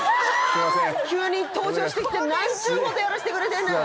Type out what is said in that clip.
急に登場してきて何ちゅうことやらしてくれてんねん！